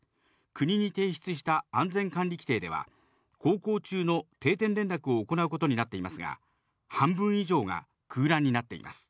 国に提出した安全管理規程では、航行中の定点連絡を行うことになっていますが、半分以上が空欄になっています。